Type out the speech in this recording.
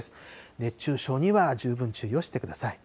熱中症には十分注意をしてください。